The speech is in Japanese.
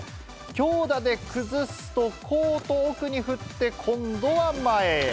強打で崩すとコート奥に振って、今度は前へ。